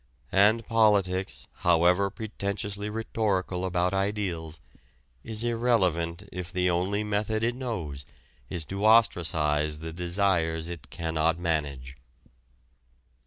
And politics, however pretentiously rhetorical about ideals, is irrelevant if the only method it knows is to ostracize the desires it cannot manage.